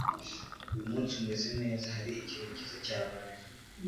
Uyu munsi, umeze neza. Hari ikintu cyiza cyabaye?